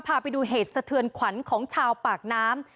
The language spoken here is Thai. พาไปดูเหตุสะเทือนขวัญของชาวปากน้ำ